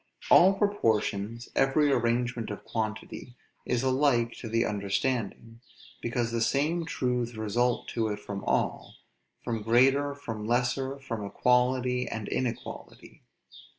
All proportions, every arrangement of quantity, is alike to the understanding, because the same truths result to it from all; from greater, from lesser, from equality and inequality.